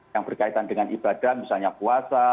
yang berkaitan dengan ibadah misalnya puasa